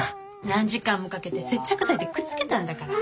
何時間もかけて接着剤でくっつけたんだから。